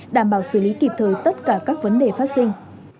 đảm bảo xử lý kịp thời tất cả các vấn đề phát sinh